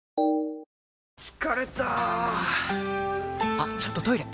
あっちょっとトイレ！